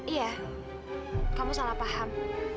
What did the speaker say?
iya kamu salah paham